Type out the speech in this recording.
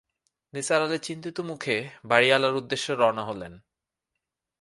নিসার আলি চিন্তিত মুখে বাড়িওয়ালার উদ্দেশ্যে রওনা হলেন।